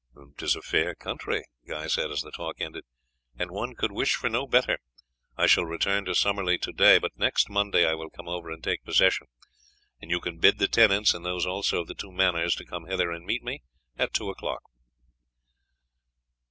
"'Tis a fair country," Guy said as the talk ended, "and one could wish for no better. I shall return to Summerley to day, but next Monday I will come over here and take possession, and you can bid the tenants, and those also of the two manors, to come hither and meet me at two o'clock."